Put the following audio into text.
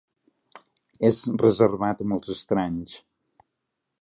És reservat amb els estranys.